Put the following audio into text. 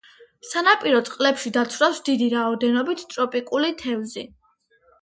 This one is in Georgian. სანაპირო წყლებში დაცურავს დიდი რაოდენობით ტროპიკული თევზი.